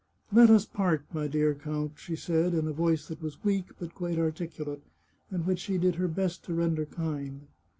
" Let us part, my dear count," she said, in a voice that was weak, but quite articulate, and which she did her best to render kind.